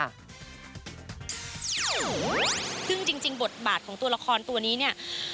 ซึ่งจริงบทบาทของตัวละครตัวนี้เนี่ย